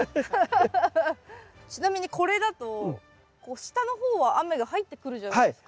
ちなみにこれだと下の方は雨が入ってくるじゃないですか。